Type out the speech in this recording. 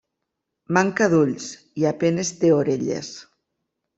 Manca d'ulls i a penes té orelles.